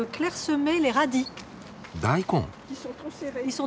大根。